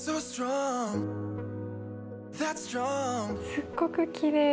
すっごくきれい。